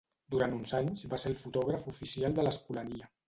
Durant uns anys va ser el fotògraf oficial de l'Escolania.